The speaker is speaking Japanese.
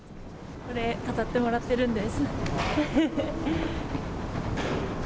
これ飾ってもらっているんです。